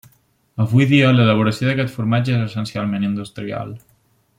Avui dia, l'elaboració d'aquest formatge és essencialment industrial.